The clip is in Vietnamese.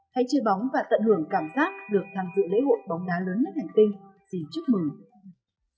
hãy chơi bóng và tận hưởng cảm giác được tham dự lễ hội bóng đá lớn nhất hành tinh dịp chúc mừng